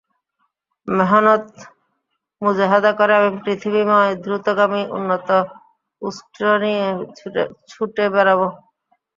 মেহনত মুজাহাদা করে আমি পৃথিবীময় দ্রুতগামী উন্নত উষ্ট্র নিয়ে ছুটে বেড়াব।